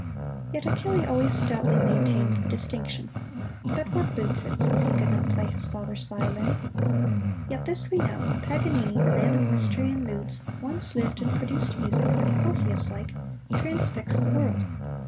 Yet Achille always stoutly maintained the distinction but what boots it, since he could not play his father's violin? Yet this we know Paganini, the man of mystery and moods, once lived and produced music that, Orpheus like, transfixed the world.